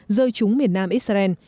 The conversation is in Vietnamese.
rơi trúng miền nam israel